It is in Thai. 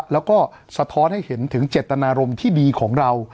แล้วก็สะท้อนให้เห็นถึงเจตนารมณ์ที่ดีของเรา